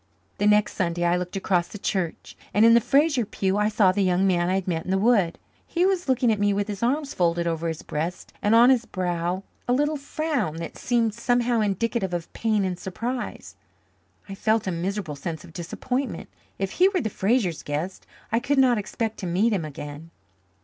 The next Sunday I looked across the church, and in the Fraser pew I saw the young man I had met in the wood. He was looking at me with his arms folded over his breast and on his brow a little frown that seemed somehow indicative of pain and surprise. I felt a miserable sense of disappointment. If he were the Frasers' guest I could not expect to meet him again.